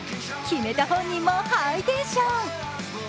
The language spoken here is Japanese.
決めた本人もハイテンション。